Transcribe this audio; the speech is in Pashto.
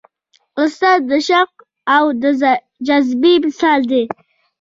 استاد د شوق او جذبې مثال دی.